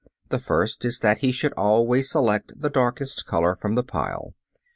The first is that he should always select the darkest color from the pile.